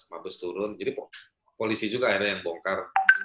mabes turun jadi polisi juga akhirnya yang bongkar